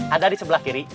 ada di sebelah kiri